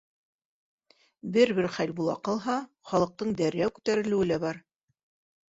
Бер-бер хәл була ҡалһа, халыҡтың дәррәү күтәрелеүе лә бар.